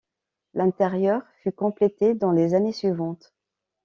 L’intérieur fut complété dans les années suivantes.